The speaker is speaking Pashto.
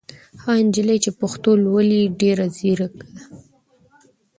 هغه نجلۍ چې پښتو لولي ډېره ځېره ده.